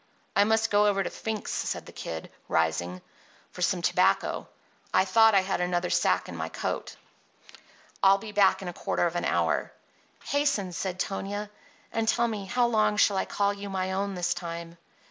"I must go over to Fink's," said the Kid, rising, "for some tobacco. I thought I had another sack in my coat. I'll be back in a quarter of an hour." "Hasten," said Tonia, "and tell me—how long shall I call you my own this time?